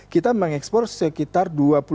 kita mengekspor sekitar